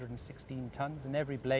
mendapatkan atas dari mana mana